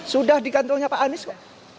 sudah di kantongnya pak anies kok